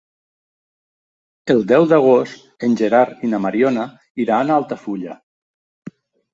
El deu d'agost en Gerard i na Mariona iran a Altafulla.